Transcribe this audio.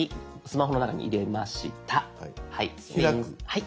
はい。